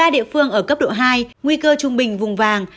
một mươi ba địa phương ở cấp độ hai nguy cơ trung bình vùng vàng